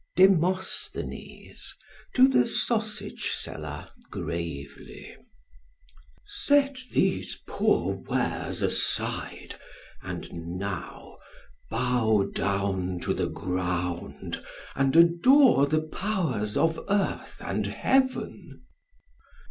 DEMOSTHENES (to the SAUSAGE SELLER gravely). Set these poor wares aside; and now bow down To the ground; and adore the powers of earth and heaven.